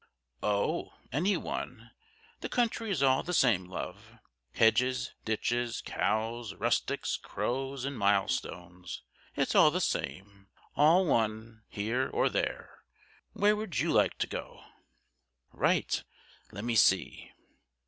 "Oh, any one! the country is all the same, love! Hedges, ditches, cows, rustics, crows, and mile stones. It's all the same all one here or there. Where would you like to go?" "Right: let me see.